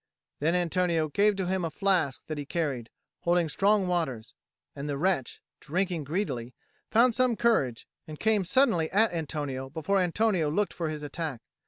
Then Antonio gave to him a flask that he carried, holding strong waters; and the wretch, drinking greedily, found some courage, and came suddenly at Antonio before Antonio looked for his attack.